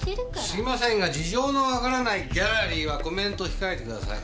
すいませんが事情のわからないギャラリーはコメントを控えてください。